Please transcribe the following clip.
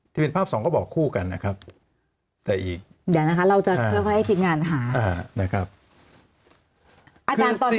ที่เป็นภาพสองก็บอกคู่กันนะครับแต่อีกเดี๋ยวนะคะเราจะค่อยให้ทีมงานหานะครับ